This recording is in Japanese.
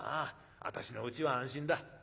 私のうちは安心だ。